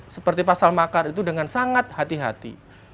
seperti pasal makar itu dengan sangat hati hati